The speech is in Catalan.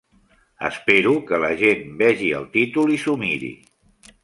Espero que la gent vegi el títol i s'ho miri.